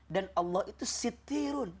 dan allah itu sitirun